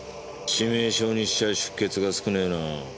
致命傷にしちゃ出血が少ねぇなぁ。